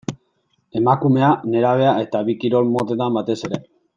Emakumea, nerabea eta bi kirol motetan batez ere.